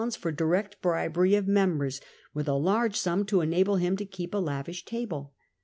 for direct bribery of members, with a large sum to enable him to keep a lavish table.